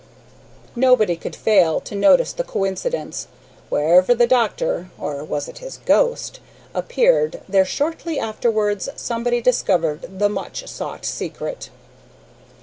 Nobody could fail to notice the coincidence; wherever the doctor or was it his ghost? appeared, there, shortly afterwards, somebody discovered the much sought secret.